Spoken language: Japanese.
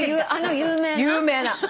あの有名な？